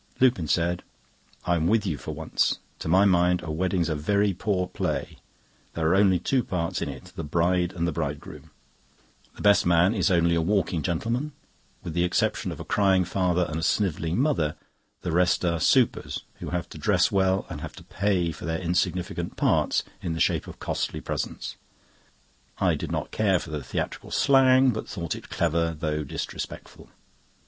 Lupin said: "I am with you for once. To my mind a wedding's a very poor play. There are only two parts in it—the bride and bridegroom. The best man is only a walking gentleman. With the exception of a crying father and a snivelling mother, the rest are supers who have to dress well and have to pay for their insignificant parts in the shape of costly presents." I did not care for the theatrical slang, but thought it clever, though disrespectful.